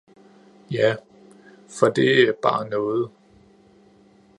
"Ja — for det er bare noget..."